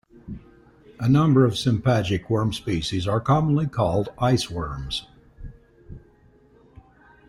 A number of sympagic worm species are commonly called ice worms.